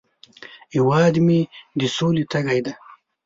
هیواد مې د سولې تږی دی